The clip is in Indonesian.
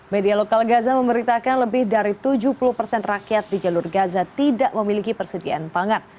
media lokal gaza memberitakan lebih dari tujuh puluh persen rakyat di jalur gaza tidak memiliki persediaan pangan